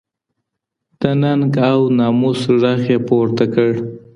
د ننګ او ناموس ږغ یې پورته کړ